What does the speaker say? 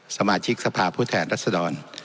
สมาชิกสภาพผู้แทนรัศดร